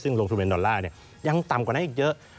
ซึ่งลงทุเรียนดอลลาร์ยังต่ำกว่านั้นอีกเยอะ